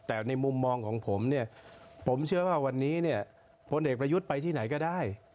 แต่ในมุมมองของผมเนี่ยผมเชื่อว่าวันนี้เนี่ยพลเอกประยุทธ์ไปที่ไหนก็ได้